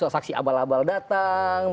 saksi abal abal datang